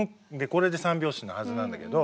これで三拍子のはずなんだけど。